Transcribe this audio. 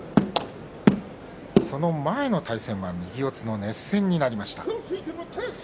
その前の対戦は右四つの熱戦になりました。